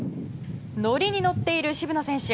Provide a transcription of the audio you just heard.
乗りに乗っている渋野選手